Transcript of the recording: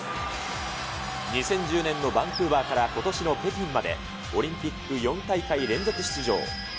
２０１０年のバンクーバーからことしの北京まで、オリンピック４大会連続出場。